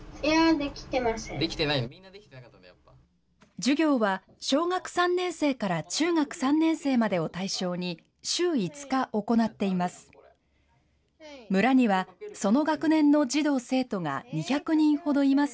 授業は、小学３年生から中学３年生までを対象に、週５日行っています。